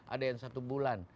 ada yang satu bulan